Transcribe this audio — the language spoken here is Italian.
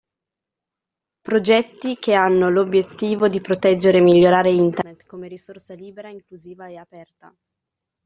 Progetti che hanno l'obbiettivo di proteggere e migliorare Internet, come risorsa libera, inclusiva e aperta.